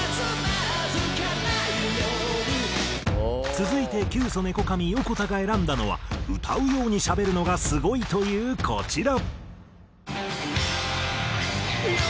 続いてキュウソネコカミヨコタが選んだのは歌うようにしゃべるのがすごいというこちら。